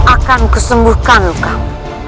akan kusembuhkan lukamu